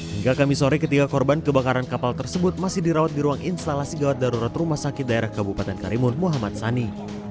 hingga kami sore ketiga korban kebakaran kapal tersebut masih dirawat di ruang instalasi gawat darurat rumah sakit daerah kabupaten karimun muhammad sani